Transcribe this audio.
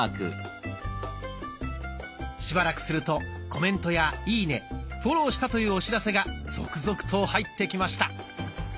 しばらくするとコメントやいいねフォローしたというお知らせが続々と入ってきました。